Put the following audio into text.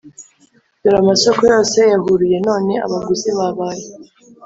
dore amasoko yose yahuruye none abaguzi babaye